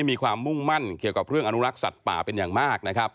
มีความมุ่งมั่นเกี่ยวกับเรื่องอนุรักษ์สัตว์ป่าเป็นอย่างมากนะครับ